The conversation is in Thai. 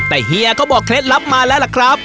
แต่เฮียก็บอกเคล็ดลับมาแล้วล่ะครับ